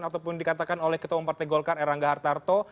ataupun dikatakan oleh ketua partai golkar erangga hartarto